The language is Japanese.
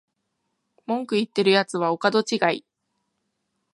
文句言ってるやつはお門違い